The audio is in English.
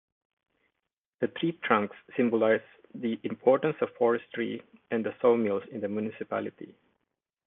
The tree trunks symbolise the importance of forestry and the sawmills in the municipality.